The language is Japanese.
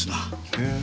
へえ。